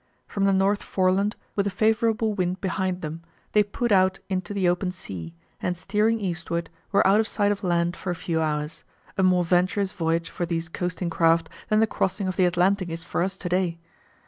From the North Foreland, with a favourable wind behind them, they put out into the open sea, and steering eastward were out of sight of land for a few hours, a more venturous voyage for these coasting craft than the crossing of the Atlantic is for us to day.